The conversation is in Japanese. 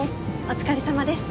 お疲れさまです。